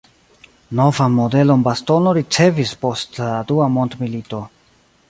Novan modelon bastono ricevis post la dua mondmilito.